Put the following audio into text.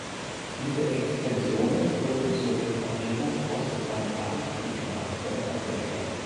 Diese Extensionen führten zur Separierung Ostantarktikas von Afrika.